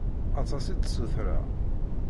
Aṭas i d-ssutreɣ?